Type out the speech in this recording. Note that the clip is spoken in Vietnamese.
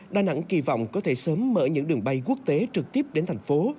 đà nẵng kỳ vọng có thể sớm mở những đường bay quốc tế trực tiếp đến thành phố